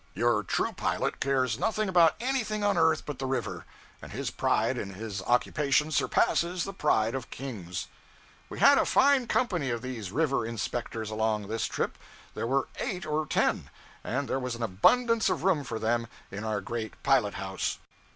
Your true pilot cares nothing about anything on earth but the river, and his pride in his occupation surpasses the pride of kings. We had a fine company of these river inspectors along, this trip. There were eight or ten; and there was abundance of room for them in our great pilot house.